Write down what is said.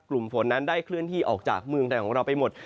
กลุ่มฝนนั้นได้เคลื่อนที่ออกจากเมืองไทยของเราไปหมด